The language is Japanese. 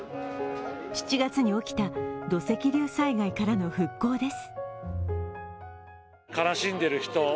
７月に起きた土石流災害からの復興です。